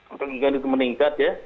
untuk ikan itu meningkat ya